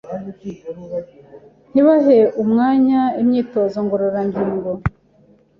ntibahe umwanya imyitozo ngororangingo